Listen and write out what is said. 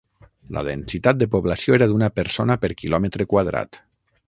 La densitat de població era d'una persona per quilòmetre quadrat.